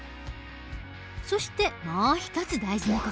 そしてもう一つ大事な事。